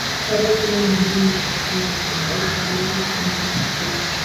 Tarehe kumi na mbili mwezi wa kumi walikubaliana amani ya kudumu